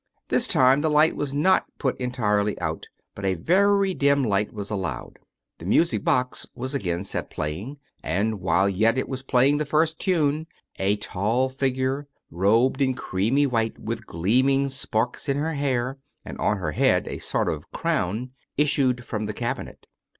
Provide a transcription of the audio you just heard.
This time the light was not put entirely out, but a very dim light was allowed. The music box was again set playing, and, while yet it was playing the first tune, a tall figure, robed in creamy white, with gleaming sparks in her hair, and on her head a sort of crown, issued from the cabinet.